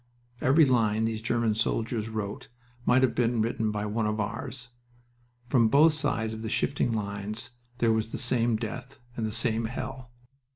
Every line these German soldiers wrote might have been written by one of ours; from both sides of the shifting lines there was the same death and the same hell.